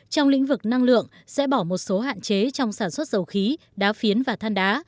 trong lĩnh vực năng lượng sẽ bỏ một số hạn chế trong sản xuất dầu khí đá phiến và than đá